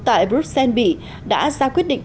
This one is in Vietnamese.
tại brussels mỹ đã ra quyết định